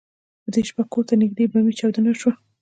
په دې شپه کور ته نږدې بمي چاودنه وشوه.